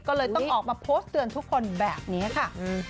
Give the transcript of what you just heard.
ก็เลยต้องออกมาโพสต์เตือนทุกคนแบบนี้ค่ะ